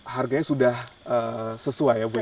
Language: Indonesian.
harganya sudah sesuai ya bu ya